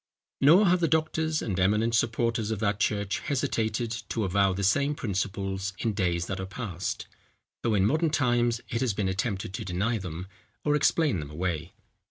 Nor have the doctors and eminent supporters of that church hesitated to avow the same principles in days that are past, though in modern times, it has been attempted to deny them, or explain them away.